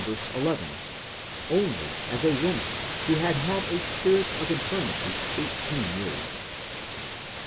11, only as a woman who had had a spirit of infirmity eighteen years.